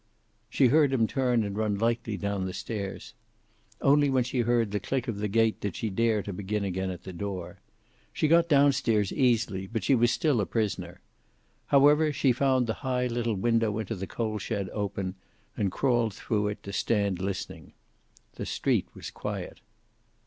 She heard him turn and run lightly down the stairs. Only when she heard the click of the gate did she dare to begin again at the door. She got down stairs easily, but she was still a prisoner. However, she found the high little window into the coal shed open, and crawled through it, to stand listening. The street was quiet.